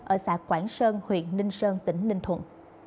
ở xã quảng sơn huyện ninh sơn tỉnh ninh thuận